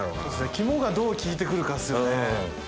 肝がどう効いて来るかっすよね。